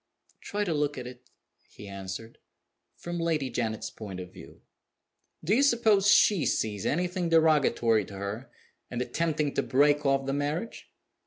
"Try to look at it," he answered, "from Lady Janet's point of view. Do you suppose she sees anything derogatory to her in attempting to break off the marriage?